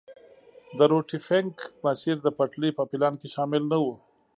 د روټي فنک مسیر د پټلۍ په پلان کې شامل نه وو.